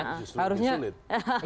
justru lebih sulit